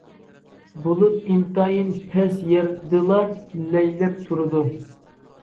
بۇلۇت ئىنتايىن پەس يەردىلا لەيلەپ تۇرىدۇ.